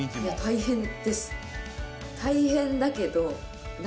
大変です。